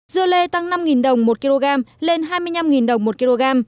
dưa lê tăng năm đồng một kg lên hai mươi năm đồng một kg